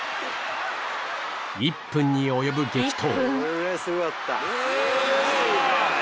１分に及ぶ激闘